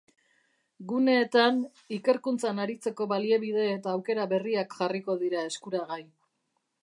Guneetan, ikerkuntzan aritzeko baliabide eta aukera berriak jarriko dira eskuragai.